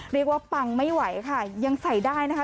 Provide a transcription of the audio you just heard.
เรียกว่าปังไม่ไหวค่ะยังใส่ได้นะคะ